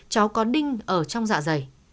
cháu có đinh ở trong dạ dày